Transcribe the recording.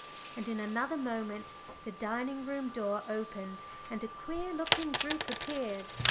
And in another moment the dining room door opened and a queer looking group appeared.